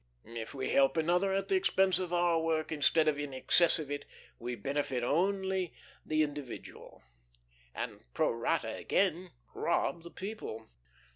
If we help another at the expense of our work instead of in excess of it, we benefit only the individual, and, pro rata again, rob the people.